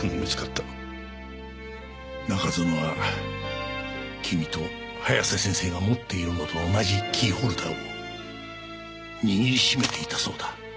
中園は君と早瀬先生が持っているものと同じキーホルダーを握りしめていたそうだ。